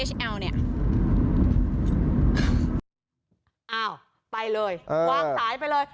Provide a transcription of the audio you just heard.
อ้าวไปเลยวางสายไปเลย